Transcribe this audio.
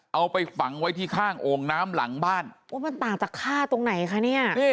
เอาไปฝังไว้ที่ข้างโอ่งน้ำหลังบ้านโอ้มันต่างจากค่าตรงไหนคะเนี่ย